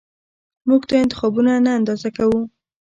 موږ دا انتخابونه نه اندازه کوو